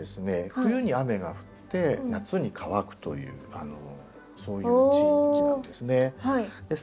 冬に雨が降って夏に乾くというそういう地域なんですね。